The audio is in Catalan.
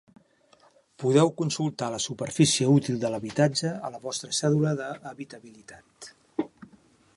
Podeu consultar la superfície útil de l'habitatge a la vostra cèdula d'habitabilitat.